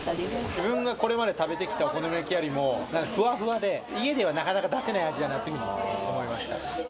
自分がこれまで食べてきたお好み焼きよりもなんかふわふわで、家ではなかなか出せない味だなっていうふうに思いました。